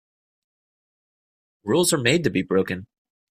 Rules are made to be broken.